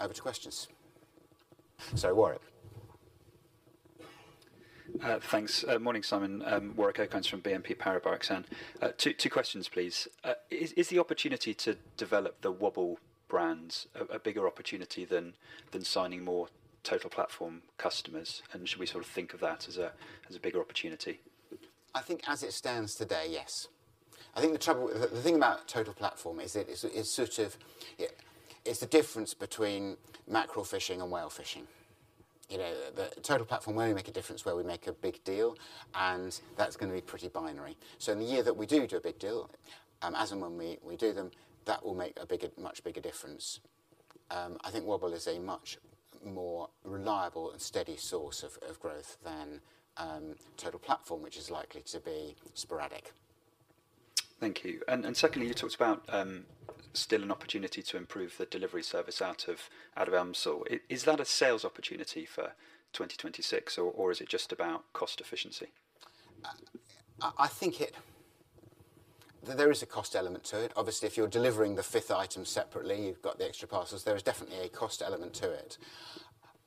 I have two questions. Sorry, Warwick. Thanks. Morning, Simon. Warwick Okines from BNP Paribas. Two questions, please. Is the opportunity to develop the Wholly Owned Brands a bigger opportunity than signing more Total Platform customers? And should we sort of think of that as a bigger opportunity? I think as it stands today, yes. I think the thing about Total Platform is that it's sort of the difference between macro fishing and whale fishing. Total Platform, where we make a difference, where we make a big deal, and that's going to be pretty binary. So in the year that we do do a big deal, as and when we do them, that will make a much bigger difference. I think Wholly Owned Brands is a much more reliable and steady source of growth than Total Platform, which is likely to be sporadic. Thank you. And secondly, you talked about still an opportunity to improve the delivery service out of South Elmsall. Is that a sales opportunity for 2026, or is it just about cost efficiency? I think there is a cost element to it. Obviously, if you're delivering the fifth item separately, you've got the extra parcels. There is definitely a cost element to it.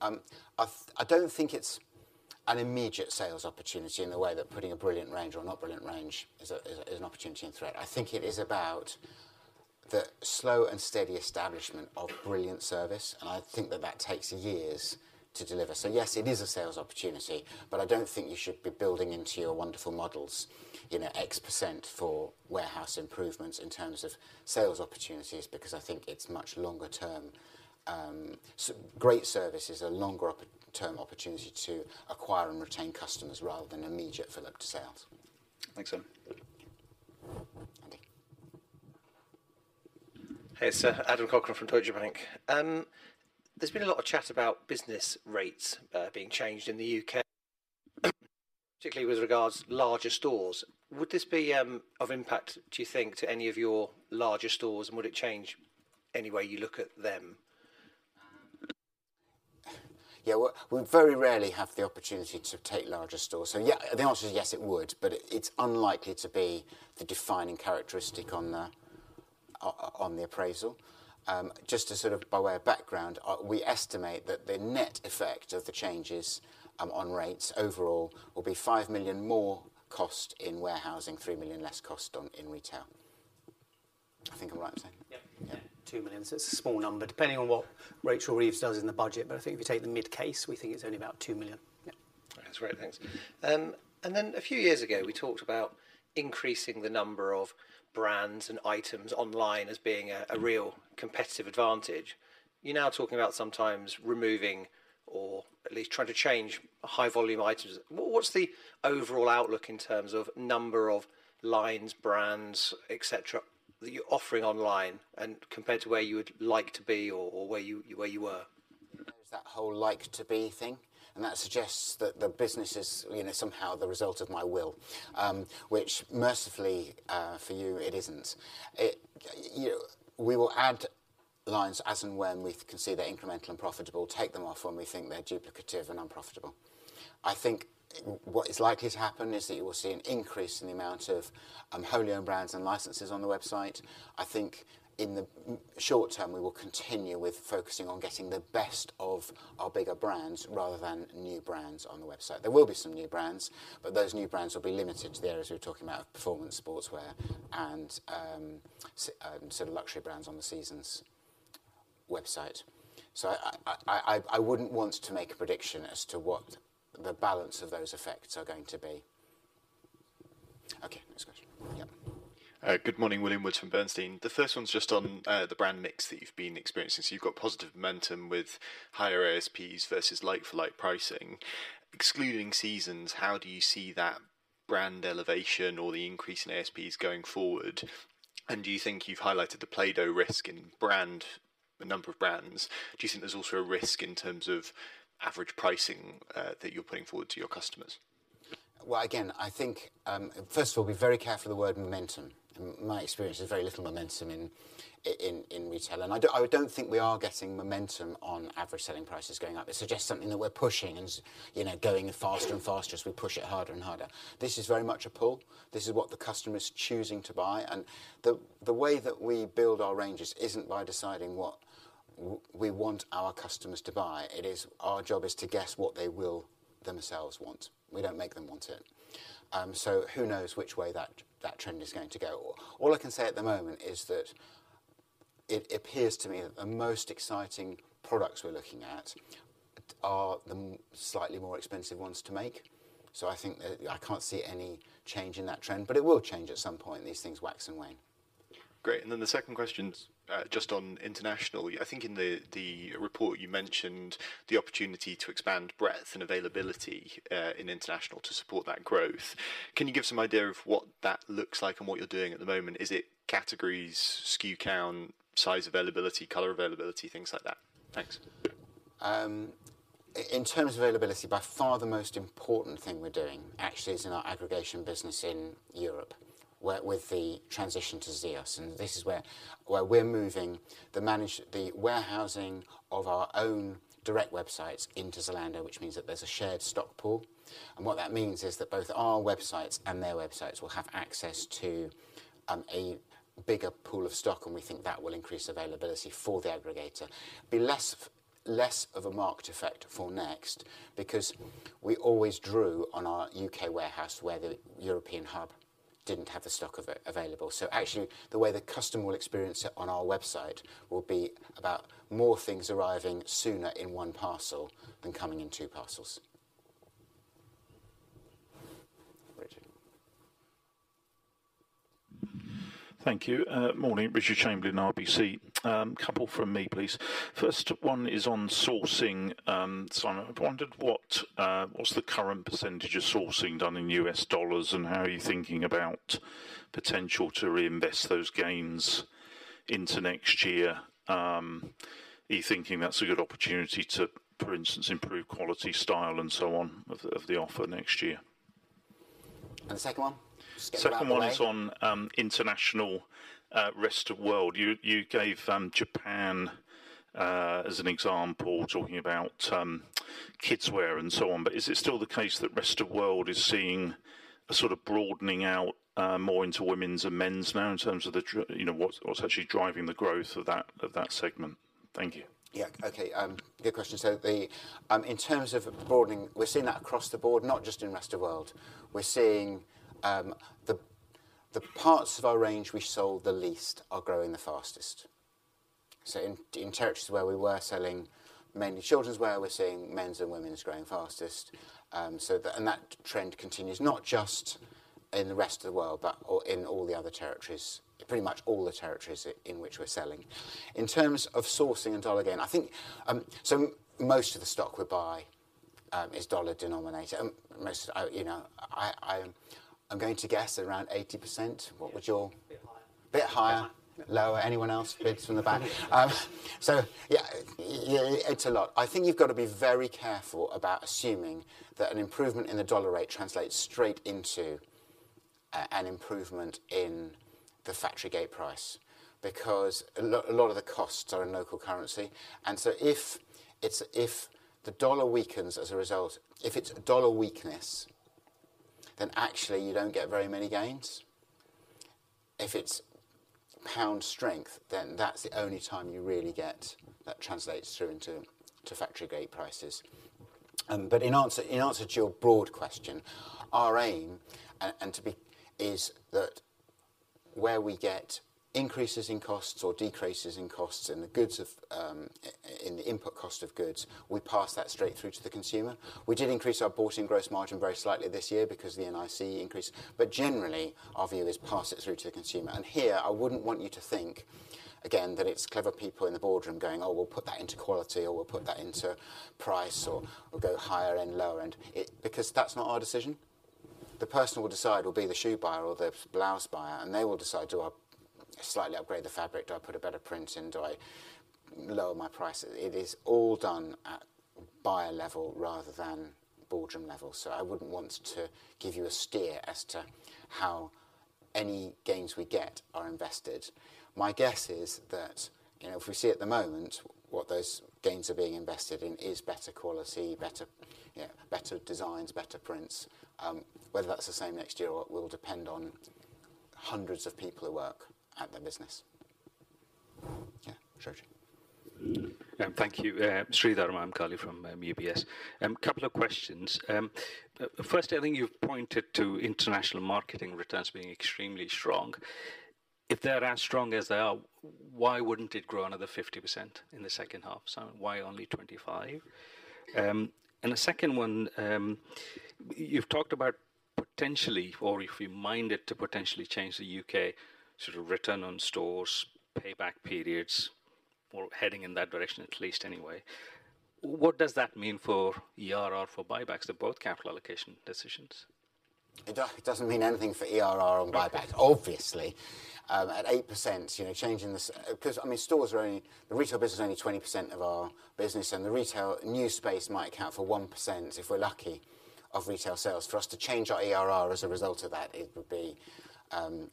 I don't think it's an immediate sales opportunity in the way that putting a brilliant range or not brilliant range is an opportunity in threat. I think it is about the slow and steady establishment of brilliant service, and I think that that takes years to deliver. So yes, it is a sales opportunity, but I don't think you should be building into your wonderful models X% for warehouse improvements in terms of sales opportunities, because I think it's much longer term. Great service is a longer term opportunity to acquire and retain customers rather than immediate fill-up to sales. Thanks, Simon. Hey, Adam Cochrane from Deutsche Bank. There's been a lot of chat about business rates being changed in the U.K., particularly with regards to larger stores. Would this be of impact, do you think, to any of your larger stores, and would it change any way you look at them? Yeah. We very rarely have the opportunity to take larger stores. So yeah, the answer is yes, it would, but it's unlikely to be the defining characteristic on the appraisal. Just sort of by way of background, we estimate that the net effect of the changes on rates overall will be 5 million more cost in warehousing, 3 million less cost in retail. I think I'm right in saying that. Yeah, 2 million. So it's a small number, depending on what Rachel Reeves does in the budget. But I think if you take the mid case, we think it's only about 2 million. That's great. Thanks. And then a few years ago, we talked about increasing the number of brands and items online as being a real competitive advantage. You're now talking about sometimes removing or at least trying to change high volume items. What's the overall outlook in terms of number of lines, brands, et cetera, that you're offering online compared to where you would like to be or where you were? There's that whole like-to-be thing, and that suggests that the business is somehow the result of my will, which mercifully for you, it isn't. We will add lines as and when we can see they're incremental and profitable, take them off when we think they're duplicative and unprofitable. I think what is likely to happen is that you will see an increase in the amount of wholly owned brands and licenses on the website. I think in the short term, we will continue with focusing on getting the best of our bigger brands rather than new brands on the website. There will be some new brands, but those new brands will be limited to the areas we were talking about of performance sportswear and sort of luxury brands on the Seasons website. So I wouldn't want to make a prediction as to what the balance of those effects are going to be. Okay, next question. Yeah. Good morning, William Woods from Bernstein. The first one's just on the brand mix that you've been experiencing. So you've got positive momentum with higher ASPs versus like-for-like pricing. Excluding Seasons, how do you see that brand elevation or the increase in ASPs going forward? And do you think you've highlighted the plateau risk in number of brands? Do you think there's also a risk in terms of average pricing that you're putting forward to your customers? Again, I think, first of all, be very careful of the word momentum. My experience is very little momentum in retail. And I don't think we are getting momentum on average selling prices going up. It suggests something that we're pushing and going faster and faster as we push it harder and harder. This is very much a pull. This is what the customer is choosing to buy. And the way that we build our ranges isn't by deciding what we want our customers to buy. Our job is to guess what they will themselves want. We don't make them want it. So who knows which way that trend is going to go? All I can say at the moment is that it appears to me that the most exciting products we're looking at are the slightly more expensive ones to make. So I think I can't see any change in that trend, but it will change at some point, these things wax and wane. Great. And then the second question's just on international. I think in the report you mentioned the opportunity to expand breadth and availability in international to support that growth. Can you give some idea of what that looks like and what you're doing at the moment? Is it categories, SKU count, size availability, color availability, things like that? Thanks. In terms of availability, by far the most important thing we're doing actually is in our aggregation business in Europe with the transition to ZEOS, and this is where we're moving the warehousing of our own direct websites into Zalando, which means that there's a shared stock pool, and what that means is that both our websites and their websites will have access to a bigger pool of stock, and we think that will increase availability for the aggregator. It'll be less of a market effect for Next because we always drew on our U.K. warehouse where the European hub didn't have the stock available, so actually, the way the customer will experience it on our website will be about more things arriving sooner in one parcel than coming in two parcels. Thank you. Morning, Richard Chamberlain, RBC. Couple from me, please. First one is on sourcing. Simon, I've wondered what's the current percentage of sourcing done in U.S. dollars and how are you thinking about potential to reinvest those gains into next year? Are you thinking that's a good opportunity to, for instance, improve quality style and so on of the offer next year? The second one? Second one is on international Rest of World. You gave Japan as an example, talking about kidswear and so on, but is it still the case that Rest of World is seeing a sort of broadening out more into women's and men's now in terms of what's actually driving the growth of that segment? Thank you. Yeah, okay. Good question. So in terms of broadening, we're seeing that across the board, not just in Rest of World. We're seeing the parts of our range we sold the least are growing the fastest. So in territories where we were selling mainly children's wear, we're seeing men's and women's growing fastest. And that trend continues not just in the rest of the world, but in all the other territories, pretty much all the territories in which we're selling. In terms of sourcing and dollar gain, I think so most of the stock we buy is dollar denominated. I'm going to guess around 80%. What would your? Bit higher. Bit higher. Lower. Anyone else? Bids from the back. So yeah, it's a lot. I think you've got to be very careful about assuming that an improvement in the dollar rate translates straight into an improvement in the factory gate price because a lot of the costs are in local currency. And so if the dollar weakens as a result, if it's dollar weakness, then actually you don't get very many gains. If it's pound strength, then that's the only time you really get that translates through into factory gate prices. But in answer to your broad question, our aim is that where we get increases in costs or decreases in costs in the input cost of goods, we pass that straight through to the consumer. We did increase our bought-in gross margin very slightly this year because of the NIC increase. But generally, our view is pass it through to the consumer. And here, I wouldn't want you to think, again, that it's clever people in the boardroom going, "Oh, we'll put that into quality or we'll put that into price or we'll go higher and lower end," because that's not our decision. The person who will decide will be the shoe buyer or the blouse buyer, and they will decide, "Do I slightly upgrade the fabric? Do I put a better print in? Do I lower my prices?" It is all done at buyer level rather than boardroom level. So I wouldn't want to give you a steer as to how any gains we get are invested. My guess is that if we see at the moment what those gains are being invested in is better quality, better designs, better prints. Whether that's the same next year or will depend on hundreds of people who work at the business. Yeah. Thank you. Sridhar Mahamkali from UBS. A couple of questions. First, I think you've pointed to international marketing returns being extremely strong. If they're as strong as they are, why wouldn't it grow another 50% in the second half? Simon, why only 25%? And the second one, you've talked about potentially, or if you mind it to potentially change the U.K. sort of return on stores, payback periods, or heading in that direction at least anyway. What does that mean for ERR for buybacks, the both capital allocation decisions? It doesn't mean anything for ERR on buybacks, obviously. At eight%, changing the stores are only the retail business is only 20% of our business, and the retail new space might account for one% if we're lucky of retail sales. For us to change our ERR as a result of that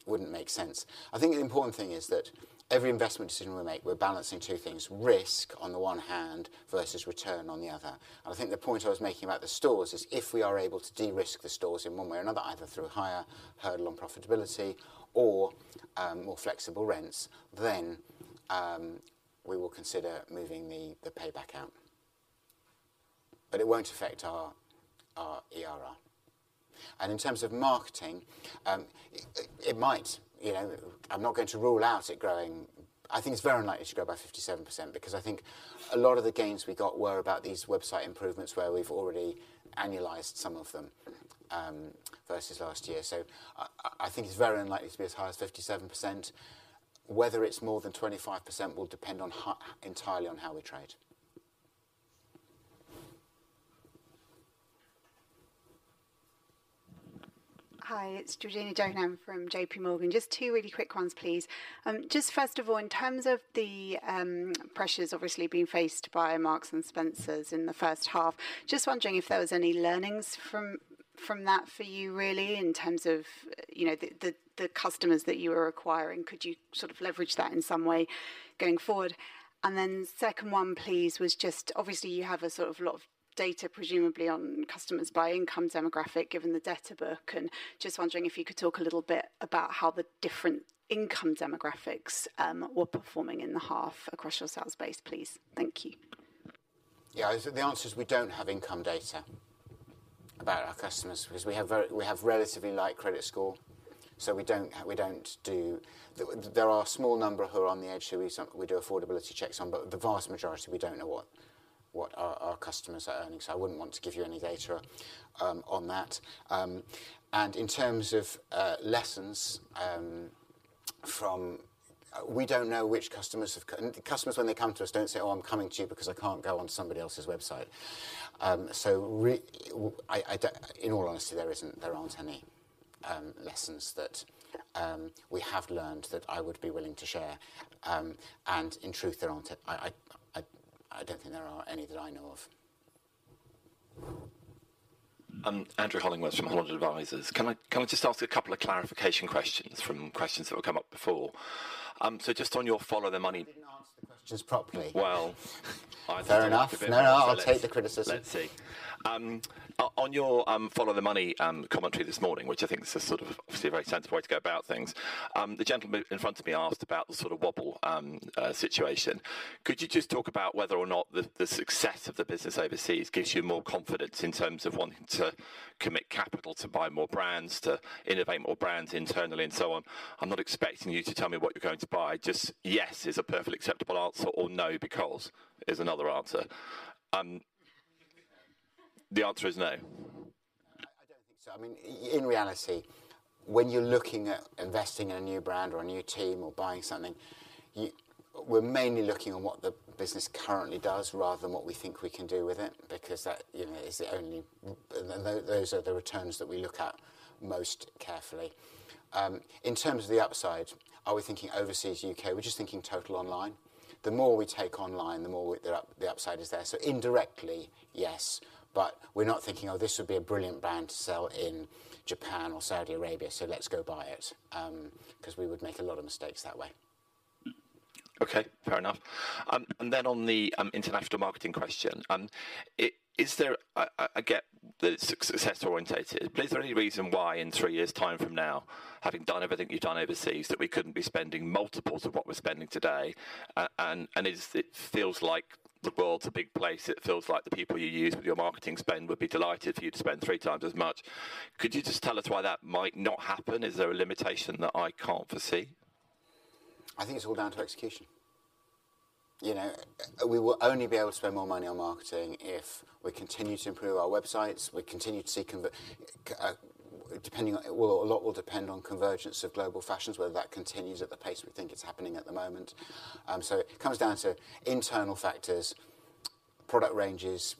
wouldn't make sense, and I think the important thing is that every investment decision we make, we're balancing two things: risk on the one hand versus return on the other, and I think the point I was making about the stores is if we are able to de-risk the stores in one way or another, either through higher hurdle on profitability or more flexible rents, then we will consider moving the payback out, but it won't affect our ERR, and in terms of marketing, it might. I'm not going to rule out it growing. I think it's very unlikely to grow by 57% because I think a lot of the gains we got were about these website improvements where we've already annualized some of them versus last year. So I think it's very unlikely to be as high as 57%. Whether it's more than 25% will depend entirely on how we trade. Hi, it's Georgina Johanan from JPMorgan. Just two really quick ones, please. Just first of all, in terms of the pressures obviously being faced by Marks & Spencer in the first half, just wondering if there was any learnings from that for you really in terms of the customers that you were acquiring. Could you sort of leverage that in some way going forward? And then second one, please, was just obviously you have a sort of lot of data presumably on customers by income demographic given the direct book. And just wondering if you could talk a little bit about how the different income demographics were performing in the half across your sales base, please. Thank you. Yeah, the answer is we don't have income data about our customers because we have relatively light credit score. So we don't. There are a small number who are on the edge who we do affordability checks on, but the vast majority, we don't know what our customers are earning. So I wouldn't want to give you any data on that. And in terms of lessons from, we don't know which customers have. Customers when they come to us don't say, "Oh, I'm coming to you because I can't go on to somebody else's website." So in all honesty, there aren't any lessons that we have learned that I would be willing to share. And in truth, I don't think there are any that I know of. Andrew Hollingworth from Holland Advisors. Can I just ask a couple of clarification questions from questions that have come up before? So just on your follow the money. You didn't answer the questions properly. Fair enough. No, no, I'll take the criticism. Let's see. On your follow the money commentary this morning, which I think is sort of obviously a very sensible way to go about things, the gentleman in front of me asked about the sort of wholly owned brands situation. Could you just talk about whether or not the success of the business overseas gives you more confidence in terms of wanting to commit capital to buy more brands, to innovate more brands internally and so on? I'm not expecting you to tell me what you're going to buy. Just yes is a perfectly acceptable answer or no because is another answer. The answer is no. I don't think so. I mean, in reality, when you're looking at investing in a new brand or a new team or buying something, we're mainly looking at what the business currently does rather than what we think we can do with it because those are the returns that we look at most carefully. In terms of the upside, are we thinking overseas, U.K.? We're just thinking total online. The more we take online, the more the upside is there. So indirectly, yes. But we're not thinking, "Oh, this would be a brilliant brand to sell in Japan or Saudi Arabia, so let's go buy it," because we would make a lot of mistakes that way. Okay, fair enough. And then on the international marketing question, is there a success-oriented? Is there any reason why in three years' time from now, having done everything you've done overseas, that we couldn't be spending multiples of what we're spending today? And it feels like the world's a big place. It feels like the people you use with your marketing spend would be delighted for you to spend three times as much. Could you just tell us why that might not happen? Is there a limitation that I can't foresee? I think it's all down to execution. We will only be able to spend more money on marketing if we continue to improve our websites. We continue to see depending on a lot will depend on convergence of global fashions, whether that continues at the pace we think it's happening at the moment. So it comes down to internal factors, product ranges,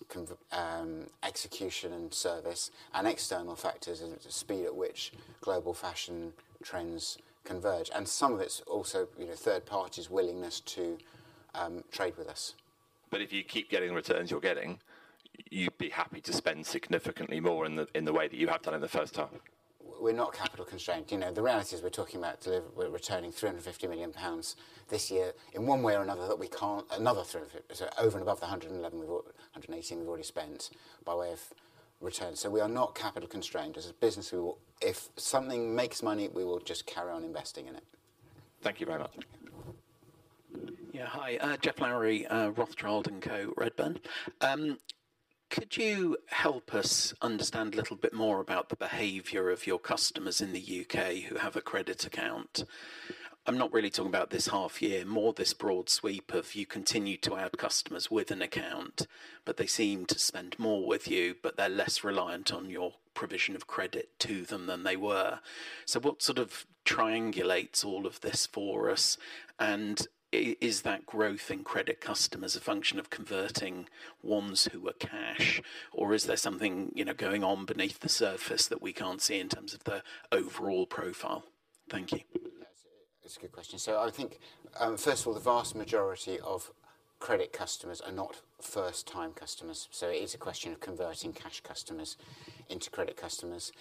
execution and service, and external factors and the speed at which global fashion trends converge. And some of it's also third parties' willingness to trade with us. But if you keep getting the returns you're getting, you'd be happy to spend significantly more in the way that you have done in the first half. We're not capital constrained. The reality is we're talking about returning 350 million pounds this year in one way or another that we can't another 350 million over and above the 118 million we've already spent by way of return. So we are not capital constrained. As a business, if something makes money, we will just carry on investing in it. Thank you very much. Yeah. Hi, Geoff Lowery, Rothschild & Co Redburn. Could you help us understand a little bit more about the behavior of your customers in the UK who have a credit account? I'm not really talking about this half year, more this broad sweep of you continue to add customers with an account, but they seem to spend more with you, but they're less reliant on your provision of credit to them than they were. So what sort of triangulates all of this for us? And is that growth in credit customers a function of converting ones who are cash, or is there something going on beneath the surface that we can't see in terms of the overall profile? Thank you. That's a good question. I think, first of all, the vast majority of credit customers are not first-time customers. It is a question of converting cash customers into credit customers.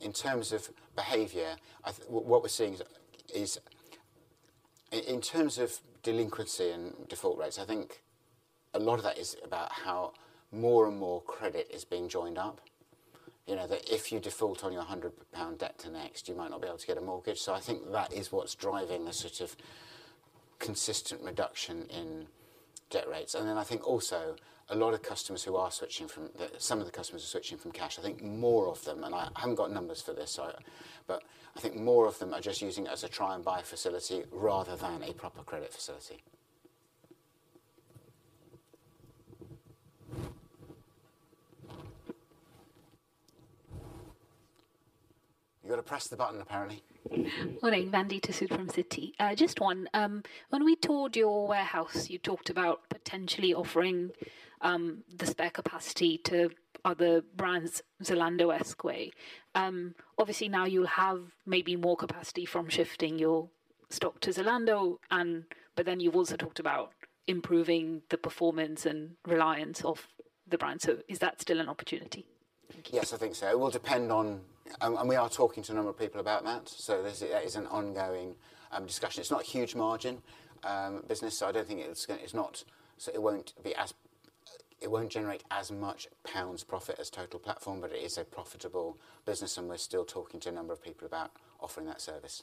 In terms of behavior, what we're seeing is in terms of delinquency and default rates, I think a lot of that is about how more and more credit is being joined up. If you default on your 100 pound debt to Next, you might not be able to get a mortgage. I think that is what's driving a sort of consistent reduction in default rates. I think also a lot of customers are switching from cash. I think more of them, and I haven't got numbers for this, but I think more of them are just using it as a try-and-buy facility rather than a proper credit facility. You've got to press the button, apparently. Morning, Vandita Sood from Citi. Just one. When we toured your warehouse, you talked about potentially offering the spare capacity to other brands, Zalando's ZEOS. Obviously, now you'll have maybe more capacity from shifting your stock to Zalando, but then you've also talked about improving the performance and reliability of the brand. So is that still an opportunity? Yes, I think so. It will depend on and we are talking to a number of people about that. So that is an ongoing discussion. It's not a huge margin business, so I don't think it's not so it won't generate as much pounds profit as Total Platform, but it is a profitable business, and we're still talking to a number of people about offering that service.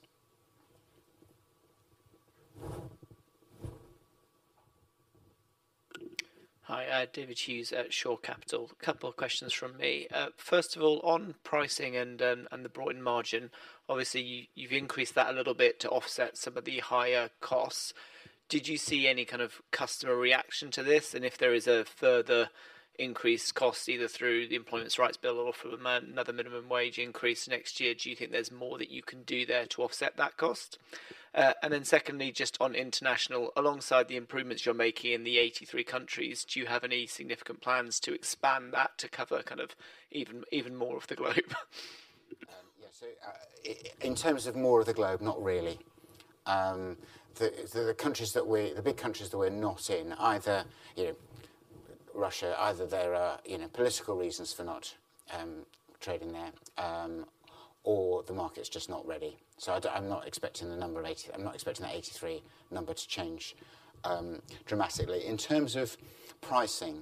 Hi, David Hughes at Shore Capital. A couple of questions from me. First of all, on pricing and the broadened margin, obviously, you've increased that a little bit to offset some of the higher costs. Did you see any kind of customer reaction to this? And if there is a further increased cost, either through the Employment Rights Bill or through another minimum wage increase next year, do you think there's more that you can do there to offset that cost? And then secondly, just on international, alongside the improvements you're making in the 83 countries, do you have any significant plans to expand that to cover kind of even more of the globe? Yeah, so in terms of more of the globe, not really. The big countries that we're not in, either Russia, either there are political reasons for not trading there or the market's just not ready. So I'm not expecting the 83 number to change dramatically. In terms of pricing,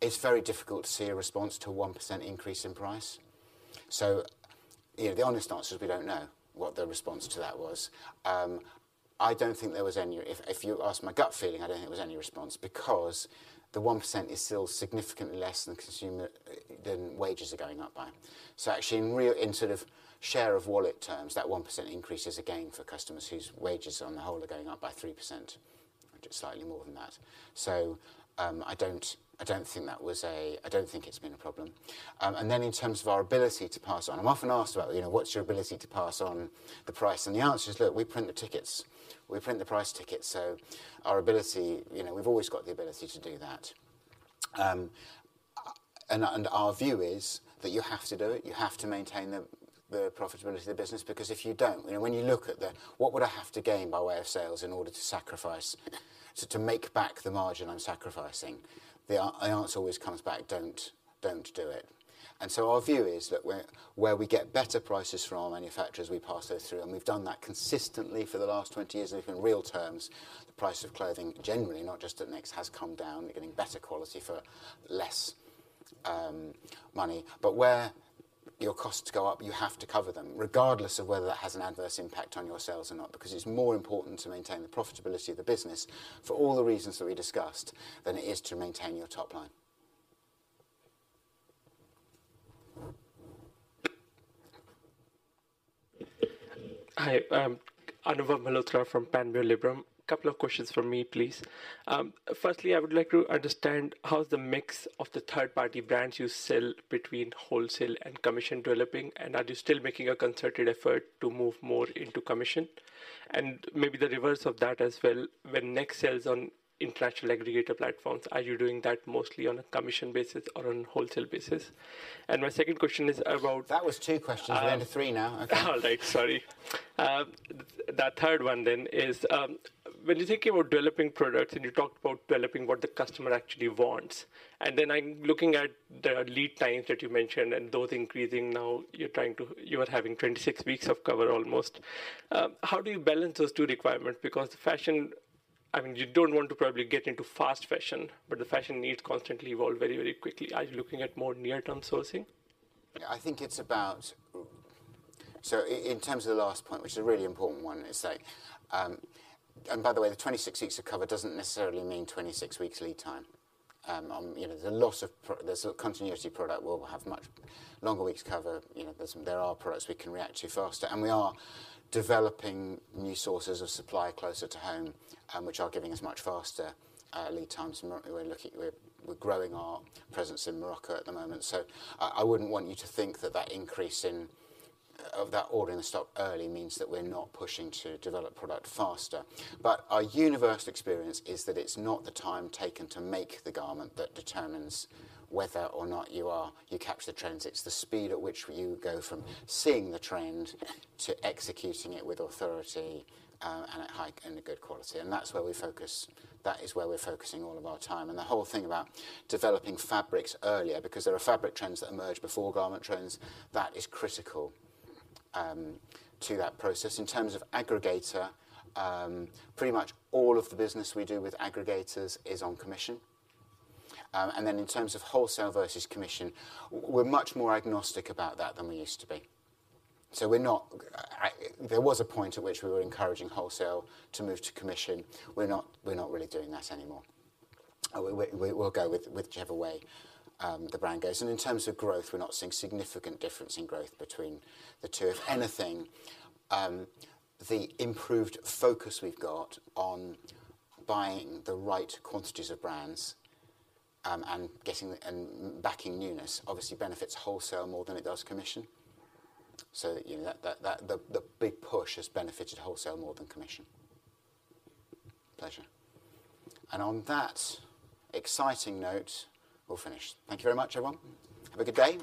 it's very difficult to see a response to a 1% increase in price. So the honest answer is we don't know what the response to that was. I don't think there was any, if you ask my gut feeling. I don't think there was any response because the 1% is still significantly less than wages are going up by. So actually, in sort of share of wallet terms, that 1% increase is a gain for customers whose wages on the whole are going up by 3%, which is slightly more than that. I don't think it's been a problem. And then, in terms of our ability to pass on, I'm often asked about what's your ability to pass on the price. And the answer is, look, we print the tickets. We print the price tickets. So our ability, we've always got the ability to do that. And our view is that you have to do it. You have to maintain the profitability of the business because if you don't, when you look at the what would I have to gain by way of sales in order to sacrifice to make back the margin I'm sacrificing? The answer always comes back, don't do it. And so our view is that where we get better prices from our manufacturers, we pass those through. And we've done that consistently for the last 20 years. and if in real terms, the price of clothing generally, not just at Next, has come down. You're getting better quality for less money. But where your costs go up, you have to cover them, regardless of whether that has an adverse impact on your sales or not, because it's more important to maintain the profitability of the business for all the reasons that we discussed than it is to maintain your top line. Hi, Anubhav Malhotra from Panmure Liberum. A couple of questions from me, please. Firstly, I would like to understand how's the mix of the third-party brands you sell between wholesale and commission developing, and are you still making a concerted effort to move more into commission? And maybe the reverse of that as well. When Next sells on international aggregator platforms, are you doing that mostly on a commission basis or on a wholesale basis? And my second question is about. That was two questions. We're into three now. All right, sorry. The third one then is, when you think about developing products and you talked about developing what the customer actually wants, and then I'm looking at the lead times that you mentioned and those increasing now, you are having 26 weeks of cover almost. How do you balance those two requirements? Because the fashion, I mean, you don't want to probably get into fast fashion, but the fashion needs constantly evolve very, very quickly. Are you looking at more near-term sourcing? Yeah, I think it's about so in terms of the last point, which is a really important one. It's like and by the way, the 26 weeks of cover doesn't necessarily mean 26 weeks lead time. There's a lot of continuity product will have much longer weeks cover. There are products we can react to faster. And we are developing new sources of supply closer to home, which are giving us much faster lead times. We're growing our presence in Morocco at the moment. So I wouldn't want you to think that that increase in that ordering the stock early means that we're not pushing to develop product faster. But our universal experience is that it's not the time taken to make the garment that determines whether or not you capture the trends. It's the speed at which you go from seeing the trend to executing it with authority and at high and good quality. And that's where we focus. That is where we're focusing all of our time. And the whole thing about developing fabrics earlier, because there are fabric trends that emerge before garment trends, that is critical to that process. In terms of aggregator, pretty much all of the business we do with aggregators is on commission. And then in terms of wholesale versus commission, we're much more agnostic about that than we used to be. So we're not. There was a point at which we were encouraging wholesale to move to commission. We're not really doing that anymore. We'll go with whichever way the brand goes. And in terms of growth, we're not seeing significant difference in growth between the two. If anything, the improved focus we've got on buying the right quantities of brands and backing newness obviously benefits wholesale more than it does commission. So the big push has benefited wholesale more than commission. Pleasure. And on that exciting note, we'll finish. Thank you very much, everyone. Have a good day.